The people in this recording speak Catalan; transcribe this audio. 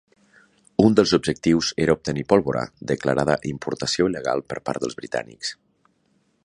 Un dels objectius era obtenir pólvora, declarada importació il·legal per part dels britànics.